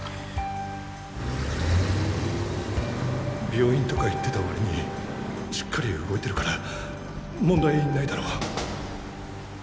病院とか言ってたわりにしっかり動いてるから問題ないだろう